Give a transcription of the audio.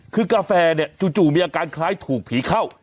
คือกาแฟเนี่ยจู่มีอาการคล้ายถูกผีเข้า